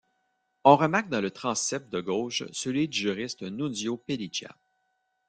On remarque dans le transept de gauche celui du juriste Nunzio Pelliccia.